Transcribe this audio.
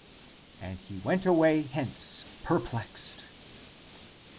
And he went away hence perplexed.